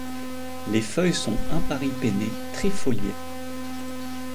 Les feuilles sont imparipennées, trifoliées.